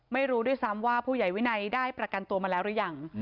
ไม่รู้ด้วยซ้ำว่าผู้ใหญ่วินัยได้ประกันตัวมาแล้วหรือยัง